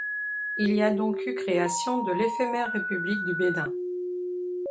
Il y a donc eu création de l’éphémère République du Benin.